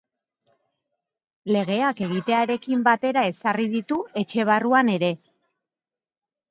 Legeak egitearekin batera ezarri ditu etxe barruan ere.